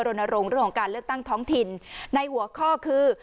รณรงค์เรื่องของการเลือกตั้งท้องถิ่นในหัวข้อคือ